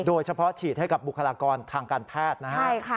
โดยเฉพาะฉีดให้กับบุคลากรทางการแพทย์นะครับ